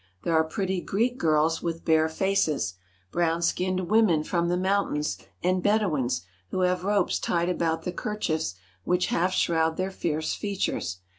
There are pretty Greek girls with bare faces, brown skinned women from the mountains, and Bedouins, who have ropes tied about the kerchiefs which half shroud their fierce features.